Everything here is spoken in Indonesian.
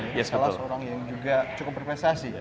salah seorang yang juga cukup berprestasi ya